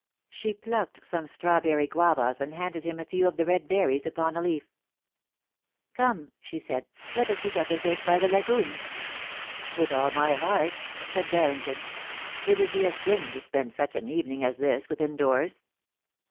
She plucked some strawberry guavas, and handed him a few of the red berries upon a leaf. * Come,* she said, * let us eat our dessert by the lagoon.' * With all my heart,' said Barrington ;* it would be a sin to spend such an evening as this within doors.'